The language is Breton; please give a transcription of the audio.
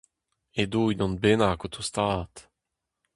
Edo unan bennak o tostaat.